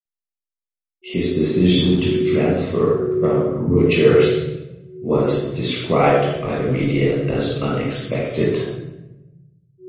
His decision to transfer from Rutgers was described by the media as unexpected.